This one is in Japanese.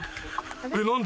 何で？